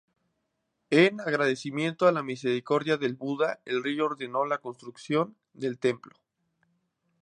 En agradecimiento a la misericordia del Buda, el rey ordenó la construcción del templo.